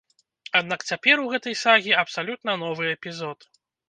Аднак цяпер у гэтай сагі абсалютна новы эпізод.